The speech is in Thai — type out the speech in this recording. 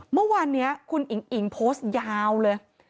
เมื่อวันนี้คุณอิ่งโพสต์ยาวเลย